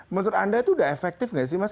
menurut anda itu udah efektif nggak sih mas